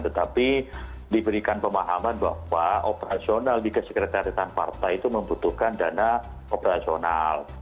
tetapi diberikan pemahaman bahwa operasional di kesekretarisan partai itu membutuhkan dana operasional